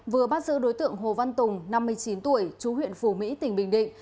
vừa bắt giữ đối tượng hồ văn tùng năm mươi chín tuổi chú huyện phủ mỹ tỉnh bình định